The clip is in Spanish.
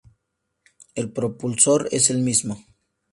El propulsor es el mismo.